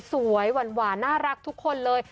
สวยหวานน่ารักทุกคนเลย